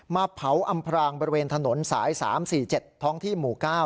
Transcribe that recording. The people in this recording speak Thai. มาเผาอำพรางบริเวณถนนสาย๓๔๗ท้องที่หมู่๙